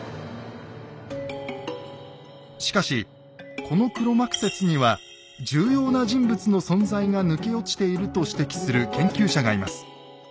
しかしこの黒幕説には重要な人物の存在が抜け落ちていると指摘する研究者がいます。